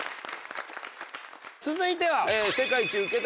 続いては。